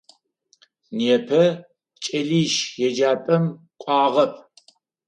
Непэ кӏэлищ еджапӏэм кӏуагъэп.